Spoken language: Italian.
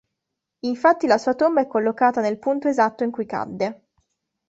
Infatti la sua tomba è collocata nel punto esatto in cui cadde.